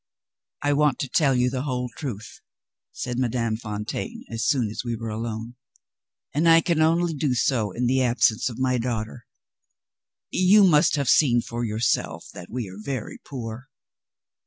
"I want to tell you the whole truth," said Madame Fontaine, as soon as we were alone; "and I can only do so in the absence of my daughter. You must have seen for yourself that we are very poor?"